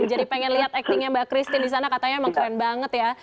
jadi pengen lihat actingnya mbak christine disana katanya emang keren banget ya